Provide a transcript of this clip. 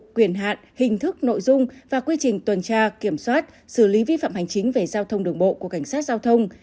quyền hạn hình thức nội dung và quy trình tuần tra kiểm soát xử lý vi phạm hành chính về giao thông đường bộ của cảnh sát giao thông